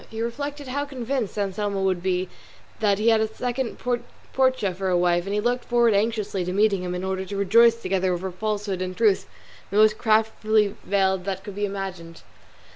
He reflected how convinced Anselmo would be that he had a second Portia for a wife, and he looked forward anxiously to meeting him in order to rejoice together over falsehood and truth the most craftily veiled that could be imagined.